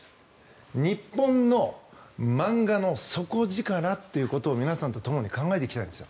日本の漫画の底力ということを皆さんとともに考えていきたいんですよ。